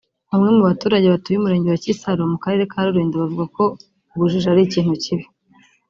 Bamwe mu baturage batuye umurenge wa Kisaro mu karere ka Rulindo bavuga ko ubujiji ari ikintu kibi